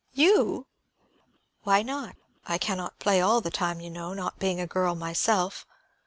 "You!" "Why not? I can not play all the time, you know, not being a girl myself.